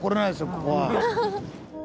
ここは。